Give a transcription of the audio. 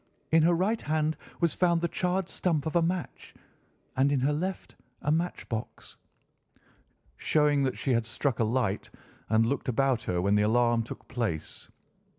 In her right hand was found the charred stump of a match, and in her left a match box." "Showing that she had struck a light and looked about her when the alarm took place.